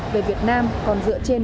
về việt nam còn dựa trên